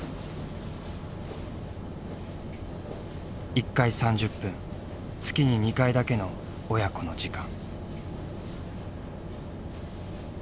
１回３０分月に２回だけの親子の時間。